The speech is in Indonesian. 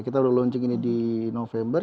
kita sudah launching ini di november